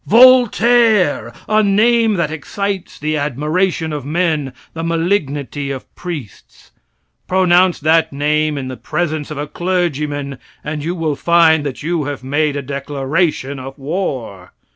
Voltaire! a name that excites the admiration of men, the malignity of priests. Pronounce that name in the presence of a clergyman, and you will find that you have made a declaration of war.